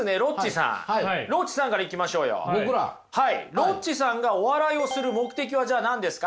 ロッチさんがお笑いをする目的はじゃあ何ですか？